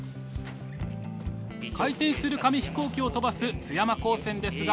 回転する紙飛行機を飛ばす津山高専ですが。